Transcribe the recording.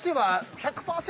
１００％。